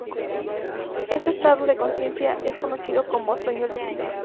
Este estado de conciencia es conocido como sueño lúcido.